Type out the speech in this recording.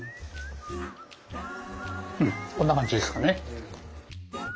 うんこんな感じですかね。